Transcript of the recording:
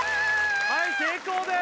はい成功です